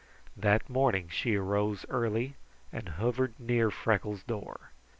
That morning she arose early and hovered near Freckles' door.